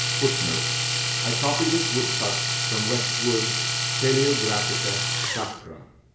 [Footnote: I copy this woodcut from Westwood's "Palaeographia Sacra."